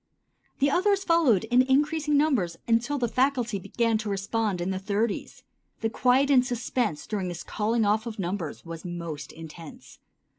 Then others followed in increasing numbers until the faculty began to respond in the thirties. The quiet and suspense during this calling off of numbers was most intense.